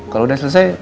kalau udah selesai